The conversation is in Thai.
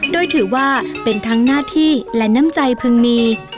โดยถือว่าเป็นทั้งหน้าที่และน้ำใจพึงมี